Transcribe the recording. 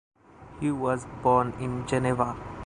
He was born in Geneva.